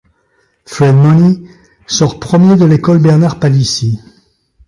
Fred Money sort premier de l’école Bernard Palissy.